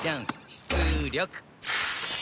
出力。